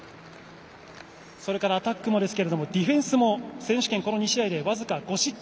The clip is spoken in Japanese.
それから、アタックもですがディフェンスも選手権、２試合で５失点。